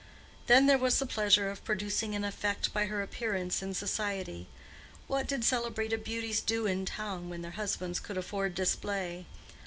Then there was the pleasure of producing an effect by her appearance in society: what did celebrated beauties do in town when their husbands could afford display?